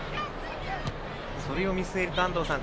それを見据えると、安藤さん